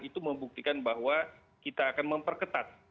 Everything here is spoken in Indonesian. itu membuktikan bahwa kita akan memperketat